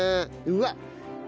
うわっ。